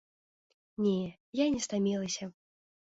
Не, я не стамілася.